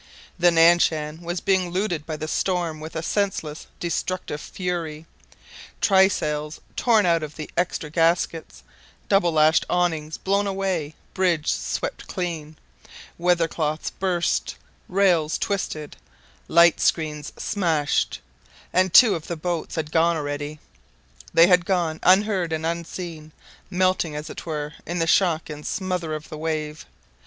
The Nan Shan was being looted by the storm with a senseless, destructive fury: trysails torn out of the extra gaskets, double lashed awnings blown away, bridge swept clean, weather cloths burst, rails twisted, light screens smashed and two of the boats had gone already. They had gone unheard and unseen, melting, as it were, in the shock and smother of the wave.